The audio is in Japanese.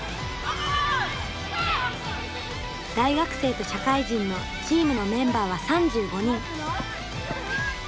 大学生と社会人のチームのメンバーは３５人。